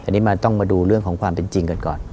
ต้องเคยมาดูเรื่องของความเป็นจริงก่อน